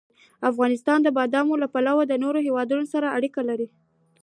افغانستان د بادامو له پلوه له نورو هېوادونو سره اړیکې لري.